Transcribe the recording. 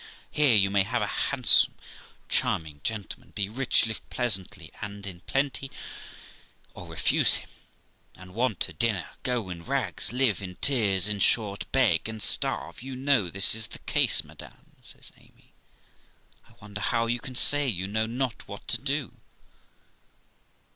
Here you may have a handsome, charming gentleman, be rich, live pleasantly and in plenty, or refuse him, and want a dinner, go in rags, live in tears ; in short, beg and starve. Yon know this is the case, madam', says Amy. 'I wonder how you can say you know not what to do.'